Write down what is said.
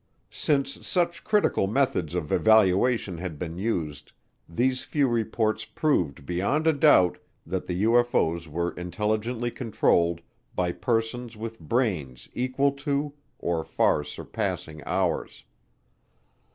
Since such critical methods of evaluation had been used, these few reports proved beyond a doubt that the UFO's were intelligently controlled by persons with brains equal to or far surpassing ours.